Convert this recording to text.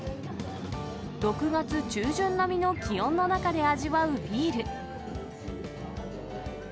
６月中旬並みの気温の中で味わうビール。